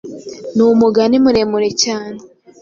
ni umugani muremure cyane